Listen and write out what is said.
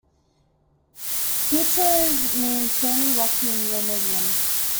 "Pietros" means "stony, rocky" in Romanian.